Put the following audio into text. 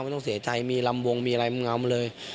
ไม่ต้องเสียใจมีลำวงมีอะไรเงามเลย